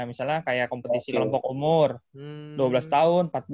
misalnya kayak kompetisi kelompok umur dua belas tahun empat belas enam belas delapan belas